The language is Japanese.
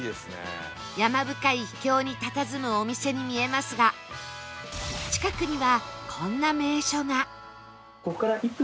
山深い秘境にたたずむお店に見えますが近くにはこんな名所が